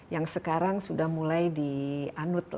yang sekarang sudah mulai dianut